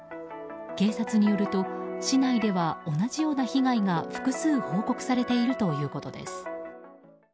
警察によると市内では同じような被害が複数報告されているということです。